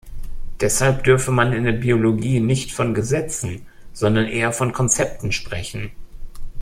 Deshalb dürfe man in der Biologie nicht von Gesetzen, sondern eher von Konzepten sprechen.